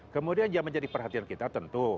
kemudian yang menjadi perhatian kita tentu